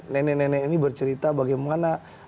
nenek nenek ini bercerita bagaimana